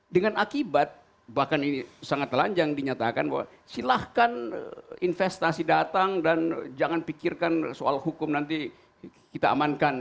dengan akibat bahkan ini sangat telanjang dinyatakan bahwa silahkan investasi datang dan jangan pikirkan soal hukum nanti kita amankan